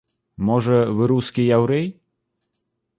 Можа, вы рускі яўрэй?